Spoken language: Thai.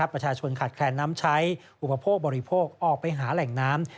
ประชาชนขาดแคลนน้ำใช้อุปโภคบริโภคออกไปหาแหล่งน้ำ